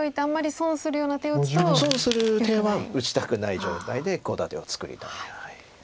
損する手は打ちたくない状態でコウ立てを作りたい。